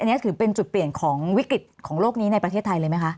อันนี้ถือเป็นจุดเปลี่ยนของวิกฤตของโลกนี้ในประเทศไทยเลยไหมคะ